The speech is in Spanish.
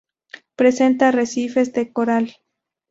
Presenta arrecifes de coral.